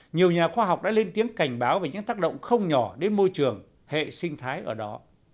nhiều nhà khoa học đã lên tiếng cảnh báo về những tác động không nhỏ đến môi trường hệ sinh thái ở đó